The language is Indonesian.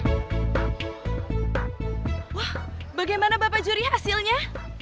wah bagaimana bapak juri hasilnya